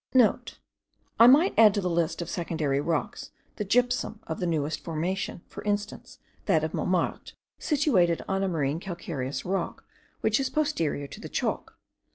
*(* I might add to the list of secondary rocks, the gypsum of the newest formation, for instance, that of Montmartre, situated on a marine calcareous rock, which is posterior to the chalk.